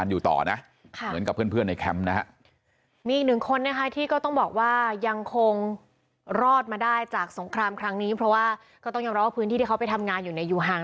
คนชื่อเหลือว่าใครต้องการกลับไหมหรือว่ายังไงก็เลยต้องอยู่นี้ไปก่อนครับ